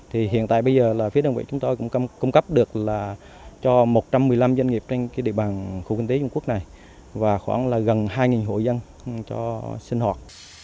hiện tại bây giờ phía doanh nghiệp chúng tôi cũng cung cấp được cho một trăm một mươi năm doanh nghiệp trên địa bàn khu kinh tế dung quất này và khoảng gần hai hội dân cho sinh hoạt